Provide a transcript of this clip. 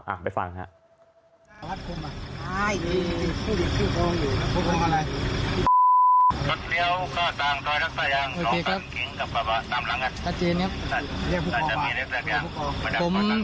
คุณผู้ชมไปฟังเสียงพร้อมกัน